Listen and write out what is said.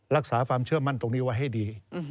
รักษาความเชื่อมั่นตรงนี้ไว้ให้ดี